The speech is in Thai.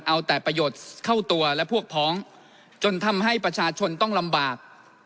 เอาแต่ประโยชน์เข้าตัวและพวกพ้องจนทำให้ประชาชนต้องลำบาก